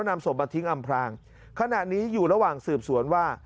นำศพมาทิ้งอำพลางขณะนี้อยู่ระหว่างสืบสวนว่า